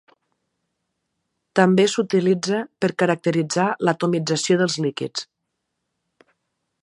També s'utilitza per caracteritzar l'atomització dels líquids.